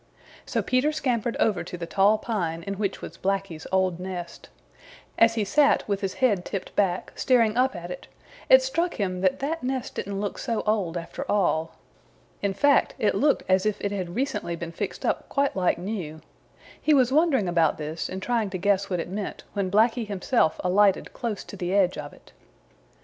So Peter scampered over to the tall pine in which was Blacky's old nest. As he sat with his head tipped back, staring up at it, it struck him that that nest didn't look so old, after all. In fact, it looked as if it had recently been fixed up quite like new. He was wondering about this and trying to guess what it meant, when Blacky himself alighted close to the edge of it.